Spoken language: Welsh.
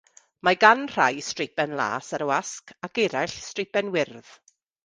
Mae gan rai streipen las ar y wasg, ac eraill streipen wyrdd.